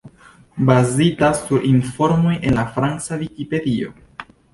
Bazita sur informoj en la franca Vikipedio.